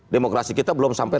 demokrasi kita belum sampai